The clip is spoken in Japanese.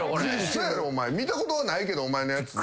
嘘やろ見たことはないけどお前のやつ。